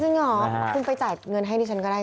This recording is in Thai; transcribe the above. จริงเหรอคุณไปจ่ายเงินให้ดิฉันก็ได้